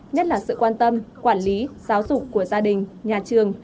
nhất là sự quan tâm quản lý giáo dục của gia đình nhà trường